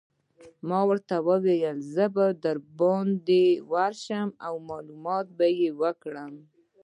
ما ورته وویل: زه به دباندې ورشم او معلومات به يې وکړم.